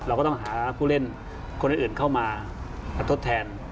เราก็ต้องหาผู้เล่นคนอื่นเข้ามามาทดแทน